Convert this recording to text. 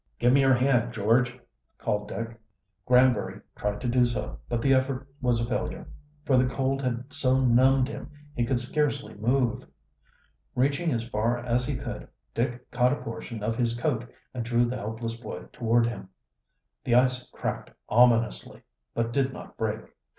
"Give me your hand, George," called Dick. Granbury tried to do so, but the effort was a failure, for the cold had so numbed him he could scarcely move. Reaching as far as he could, Dick caught a portion of his coat and drew the helpless boy toward him. The ice cracked ominously, but did not break.